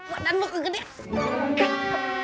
badan lu kegedean